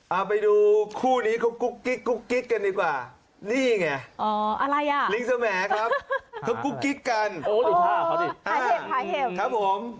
เอาไปดูคู่นี้เขากุ๊กกิ๊กกุ๊กกิ๊กกันดีกว่านี่ไงลิงส์แสวแหมครับเขากุ๊กกิ๊กกัน